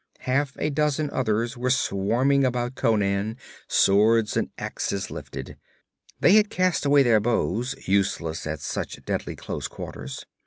Half a dozen others were swarming about Conan, swords and axes lifted. They had cast away their bows, useless at such deadly close quarters.